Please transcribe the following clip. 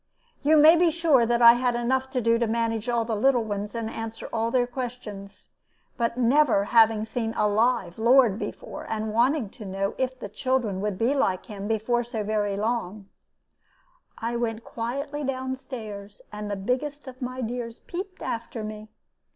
"You may be sure that I had enough to do to manage all the little ones and answer all their questions; but never having seen a live lord before, and wanting to know if the children would be like him before so very long, I went quietly down stairs, and the biggest of my dears peeped after me.